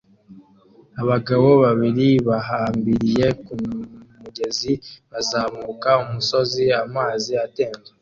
Abagabo babiri bahambiriye ku mugozi bazamuka umusozi amazi atemba